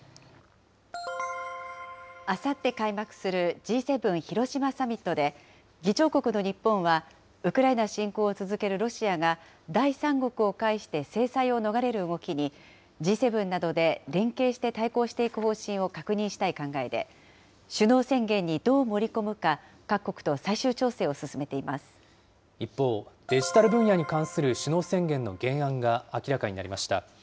あさって開幕するＧ７広島サミットで、議長国の日本は、ウクライナ侵攻を続けるロシアが第三国を介して制裁を逃れる動きに、Ｇ７などで連携して対抗していく方針を確認したい考えで、首脳宣言にどう盛り込むか、一方、デジタル分野に関する首脳宣言の原案が明らかになりました。